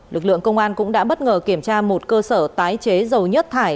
lực lượng công an cũng đã bất ngờ kiểm tra một cơ sở tái chế dầu nhất thải